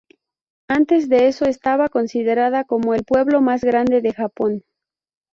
Antes de eso estaba considerada como el pueblo más grande de Japón.